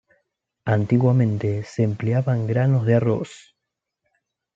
Antiguamente se empleaban granos de arroz.